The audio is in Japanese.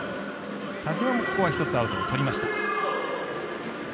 田嶋も１つアウトをとりました。